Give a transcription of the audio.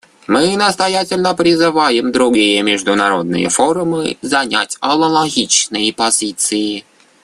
Мы настоятельно призываем другие международные форумы занять аналогичные позиции.